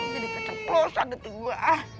jadi keceplosan detik gue